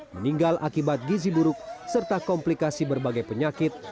meninggal akibat gizi buruk serta komplikasi berbagai penyakit